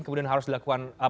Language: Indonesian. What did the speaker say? kemudian harus dilakukan